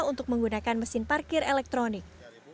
untuk menggunakan mesin parkir elektronik